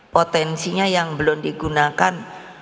potensinya yang belum digunakan